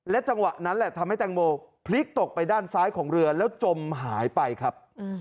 จังหวะนั้นแหละทำให้แตงโมพลิกตกไปด้านซ้ายของเรือแล้วจมหายไปครับ